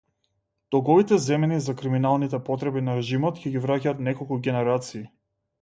Долговите земени за криминалните потреби на режимот ќе ги враќаат неколку генерации.